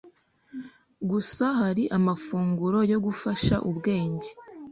gusa hari amafunguro yo gufasha ubwenge